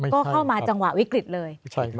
ก็เข้ามาจังหวะวิกฤตเลย